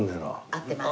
合ってます。